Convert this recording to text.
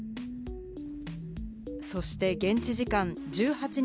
そして現地時間１８日